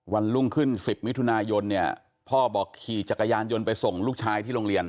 วันรุ่งขึ้น๑๐มิถุนายนเนี่ยพ่อบอกขี่จักรยานยนต์ไปส่งลูกชายที่โรงเรียน